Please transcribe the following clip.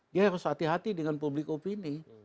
dia harus hati hati dengan public opini